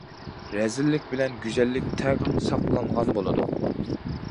رەزىللىك بىلەن گۈزەللىك تەڭ ساقلانغان بولىدۇ.